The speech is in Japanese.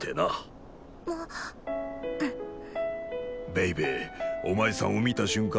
ベイベーお前さんを見た瞬間